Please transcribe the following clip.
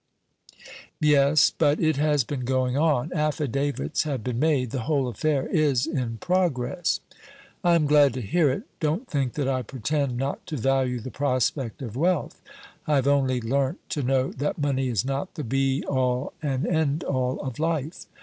"Yes, but it has been going on. Affidavits have been made; the whole affair is in progress." "I am glad to hear it. Don't think that I pretend not to value the prospect of wealth; I have only learnt to know that money is not the be all and end all of life.